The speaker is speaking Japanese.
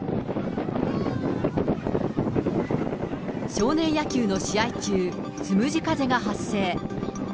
少年野球の試合中、つむじ風が発生。